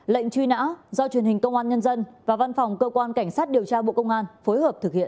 lệnh truy nã do truyền hình công an nhân dân và văn phòng cơ quan cảnh sát điều tra bộ công an phối hợp thực hiện